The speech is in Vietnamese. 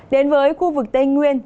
đến với khu vực tây nguyên